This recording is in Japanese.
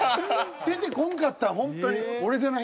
出てこんかったほんとに。